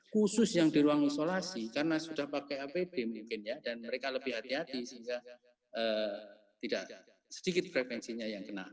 khusus yang di ruang isolasi karena sudah pakai apd mungkin ya dan mereka lebih hati hati sehingga tidak sedikit frekuensinya yang kena